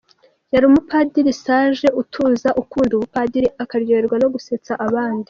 Yari umupadiri « sage », utuza, ukunda ubupadiri, akaryoherwa no gusetsa abandi.